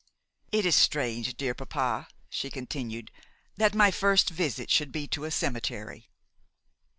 'It is strange, dear papa,' she continued, 'that my first visit should be to a cemetery.